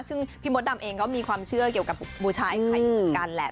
ซึ่งพี่หมดดำเองเขามีความเชื่อเกี่ยวกับบูชะไอ้ไขกันแหละ